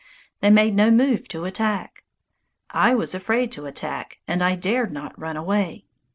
They made no move to attack. I was afraid to attack and I dared not run away.